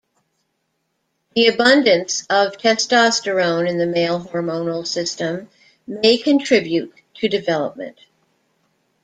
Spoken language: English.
The abundance of testosterone in the male hormonal system may contribute to development.